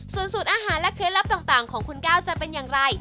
ส่วนสูตรอาหารและเคล็ดลับต่างของคุณก้าวจะเป็นอย่างไร